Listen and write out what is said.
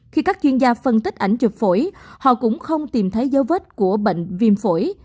khi các chuyên gia phân tích ảnh chụp phổi họ cũng không tìm thấy dấu vết của bệnh viêm phổi